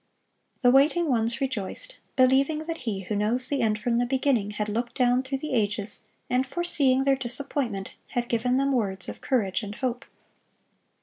(645) The waiting ones rejoiced, believing that He who knows the end from the beginning had looked down through the ages, and foreseeing their disappointment, had given them words of courage and hope.